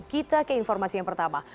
kita ke informasi yang pertama